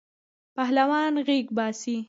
پهلوان غیږ باسی.